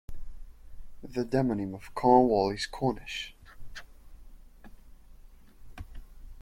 The demonym of Cornwall is Cornish.